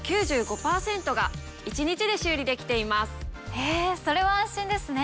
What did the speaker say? へぇそれは安心ですね。